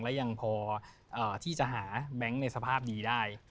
และยังพอที่จะหาแบงค์ในสภาพนี้ได้